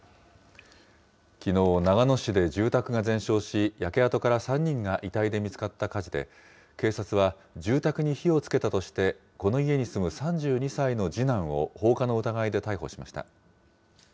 きのう、長野市で住宅が全焼し、焼け跡から３人が遺体で見つかった火事で、警察は住宅に火をつけたとして、この家に住む３２歳の次男を放火の疑いで逮捕しました。